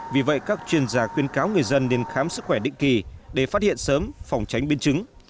vì vậy các chuyên gia khuyên cáo người dân nên khám sức khỏe định kỳ để phát hiện sớm phòng tránh biến chứng